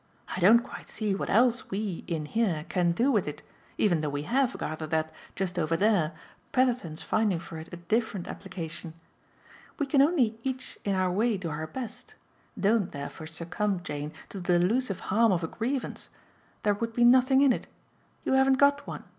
I don't quite see what else we in here can do with it, even though we HAVE gathered that, just over there, Petherton's finding for it a different application. We can only each in our way do our best. Don't therefore succumb, Jane, to the delusive harm of a grievance. There would be nothing in it. You haven't got one.